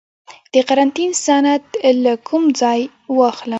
د قرنطین سند له کوم ځای واخلم؟